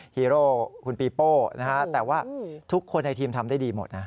ฮีโร่คุณปีโป้นะฮะแต่ว่าทุกคนในทีมทำได้ดีหมดนะ